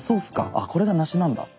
あこれが梨なんだ。